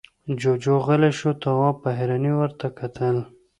جُوجُو غلی شو، تواب په حيرانۍ ورته کتل…